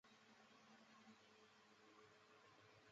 该计画的主持人是华沙大学的。